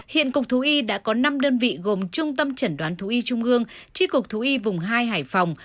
hiện cục thú y đã có năm đơn vị gồm trung tâm chẩn đoán thú y trung ương tri cục thú y vùng hai hải phòng